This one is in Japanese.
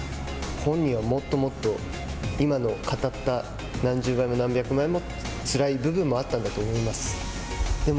本人はもっともっと今の語った何十倍も何百倍もつらい部分もあったんだと思います。